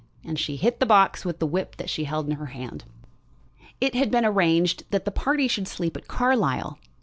And she hit the box with the whip she held in her hand. It had been arranged that the party should sleep at Carlisle.